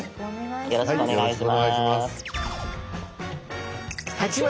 よろしくお願いします。